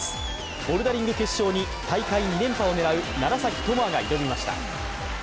ボルダリング決勝に大会２連覇を狙う楢崎智亜が挑みました。